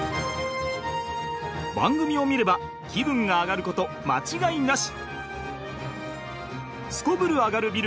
番組を見れば気分がアガること間違いなし！